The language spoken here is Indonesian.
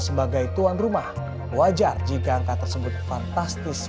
sebagai tuan rumah wajar jika angka tersebut fantastis